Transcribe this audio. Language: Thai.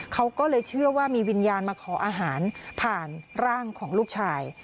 เขาก็เลยเชื่อว่ามีวิญญาณมาขออาหารผ่านร่างของลูกชาย